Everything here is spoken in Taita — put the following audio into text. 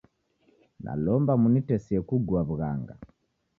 Nalomba munitesie kugua w'ughanga.